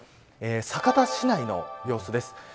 酒田市内の様子です。